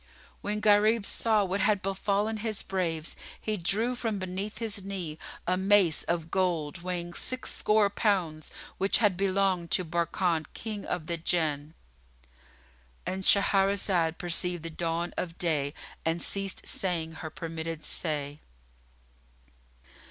When Gharib saw what had befallen his braves, he drew from beneath his knee[FN#52] a mace of gold weighing six score pounds which had belonged to Barkan King of the Jann——And Shahrazad perceived the dawn of day and ceased saying her permitted say.